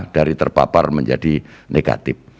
dari terpapar menjadi negatif